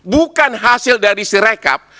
bukan hasil dari sirekap